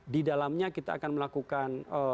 di dalamnya kita akan melakukan